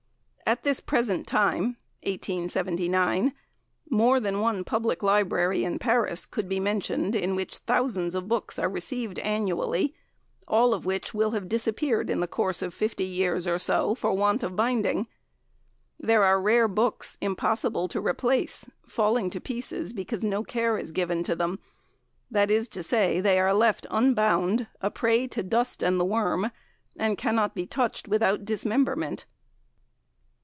At this present time (1879) more than one public library in Paris could be mentioned in which thousands of books are received annually, all of which will have disappeared in the course of 50 years or so for want of binding; there are rare books, impossible to replace, falling to pieces because no care is given to them, that is to say, they are left unbound, a prey to dust and the worm, and cannot be touched without dismemberment."